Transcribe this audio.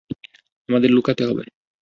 আমাদের লুকাতে হবে।